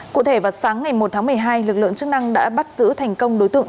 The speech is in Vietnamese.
cụ thể vào sáng ngày một tháng một mươi hai lực lượng chức năng đã bắt giữ thành công đối tượng